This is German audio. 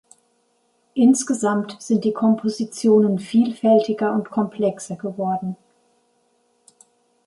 Insgesamt sind die Kompositionen vielfältiger und komplexer geworden.